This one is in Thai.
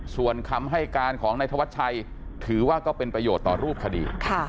ส่วนคำให้การของนายธวัชชัยถือว่าก็เป็นประโยชน์ต่อรูปคดี